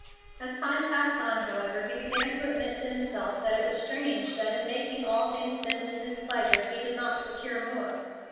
As time passed on, however, he began to admit to himself that it was strange that in making all things bend to his pleasure he did not secure more.